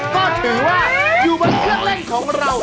ก็ถือว่าอยู่บนเครื่องเล่นของเรา